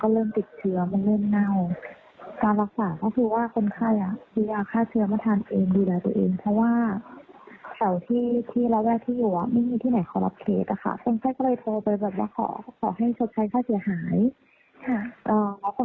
ก็คือจะไม่ไปแล้วก็คือจะขอยุติการรักษาครับคราบแล้วพี่อีก